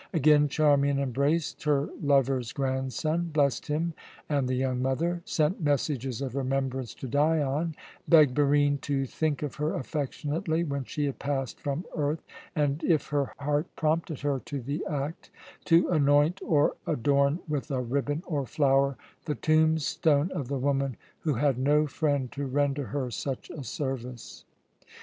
Again Charmian embraced her lover's grandson, blessed him and the young mother, sent messages of remembrance to Dion, begged Barine to think of her affectionately when she had passed from earth and, if her heart prompted her to the act, to anoint or adorn with a ribbon or flower the tombstone of the woman who had no friend to render her such a service.